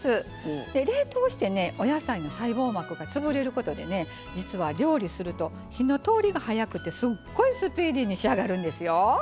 で冷凍してねお野菜の細胞膜が潰れることで実は料理すると火の通りが早くてすっごいスピーディーに仕上がるんですよ。